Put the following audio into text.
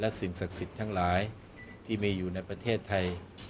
สิ่งศักดิ์สิทธิ์ทั้งหลายที่มีอยู่ในประเทศไทย